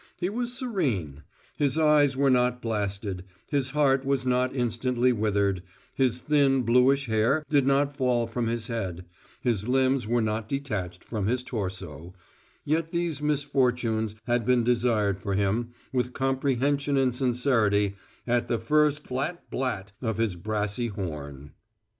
He was serene. His eyes were not blasted; his heart was not instantly withered; his thin, bluish hair did not fall from his head; his limbs were not detached from his torso yet these misfortunes had been desired for him, with comprehension and sincerity, at the first flat blat of his brassy horn.